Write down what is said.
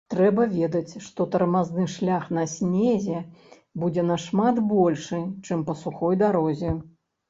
Трэба ведаць, што тармазны шлях на снезе будзе нашмат большы, чым па сухой дарозе.